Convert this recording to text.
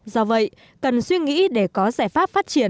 do vậy cần suy nghĩ để có giải pháp phát triển